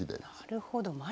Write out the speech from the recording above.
なるほど。